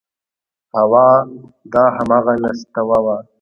هو دا همغه نستوه و…